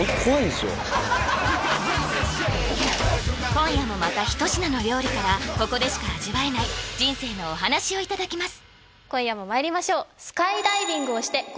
今夜もまた一品の料理からここでしか味わえない人生のお話をいただきます